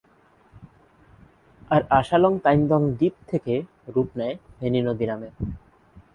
আর আসালং-তাইন্দং দ্বীপ থেকে রূপ নেয় ফেনী নদী নামে।